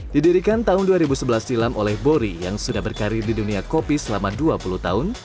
didirikan tahun dua ribu sebelas silam oleh bori yang sudah berkarir di dunia kopi selama dua puluh tahun